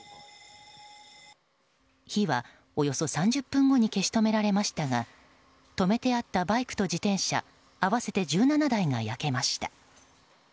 火はおよそ３０分後に消し止められましたが止めてあったバイクと自転車合わせて１７台が燃えました。